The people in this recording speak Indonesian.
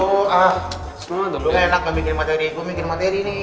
nggak enak gak mikir materi gua mikir materi nih